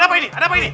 ada apa ini